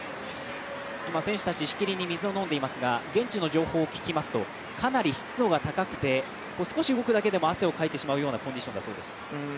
今、選手たちしきりに水を飲んでいますが現地の情報を聞いていますとかなり湿度が高くて、少し動くだけでも汗をかいてしまうようなコンディションだそうです。